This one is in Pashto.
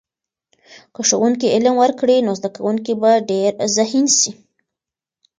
که ښوونکی علم ورکړي، نو زده کونکي به ډېر ذهین سي.